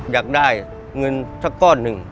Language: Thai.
อยากได้เงินสักก้อนหนึ่ง